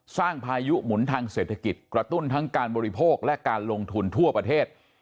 พายุหมุนทางเศรษฐกิจกระตุ้นทั้งการบริโภคและการลงทุนทั่วประเทศ